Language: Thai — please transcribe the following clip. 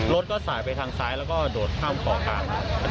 รถก็สายไปทางซ้ายแล้วก็โดดข้ามขอบทาง